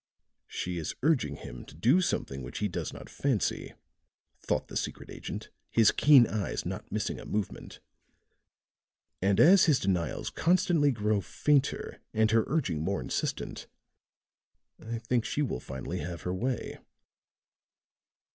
"She is urging him to something which he does not fancy," thought the secret agent, his keen eyes not missing a movement. "And, as his denials constantly grow fainter, and her urging more insistent, I think she will finally have her way."